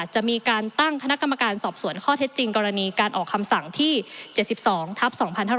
จะมีการตั้งคณะกรรมการสอบสวนข้อเท็จจริงกรณีการออกคำสั่งที่๗๒ทัพ๒๕๖๒